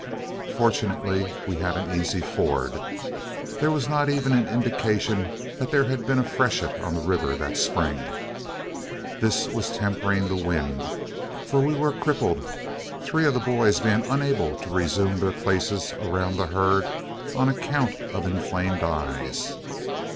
Fortunately we had an easy ford. There was not even an indication that there had been a freshet on the river that spring. This was tempering the wind, for we were crippled, three of the boys being unable to resume their places around the herd on account of inflamed eyes.